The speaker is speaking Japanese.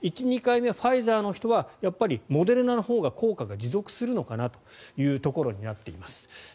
１、２回目ファイザーの人はやっぱりモデルナのほうが効果が持続するのかなということになっています。